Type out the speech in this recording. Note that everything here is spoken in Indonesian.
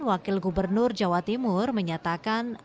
wakil gubernur jawa timur menyatakan